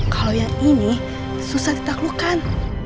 kalau yang ini susah ditaklukkan